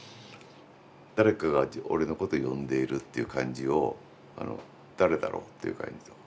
誰かが俺のこと呼んでいるっていう感じを誰だろうっていう感じというか。